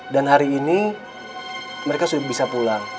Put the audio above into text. dan hari ini mereka sudah bisa pulang